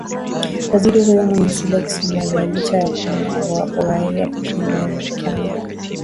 waziri huyo mwenye asili ya kisomalia licha ya kuwa na uraia kimarekani